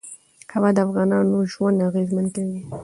هوا د افغانانو ژوند اغېزمن کوي.